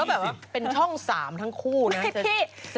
แบบว่าเป็นช่อง๓ทั้งคู่นะ